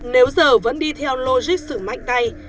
nếu giờ vẫn đi theo logic xử mạnh tay